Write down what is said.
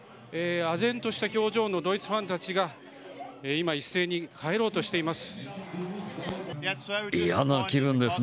あぜんとした表情のドイツファンたちが今、一斉に帰ろうとしています。